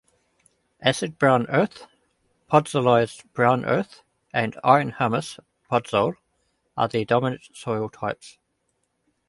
Acid brown earth, podzolized brown earth and iron-humus podzol are the dominant soil types.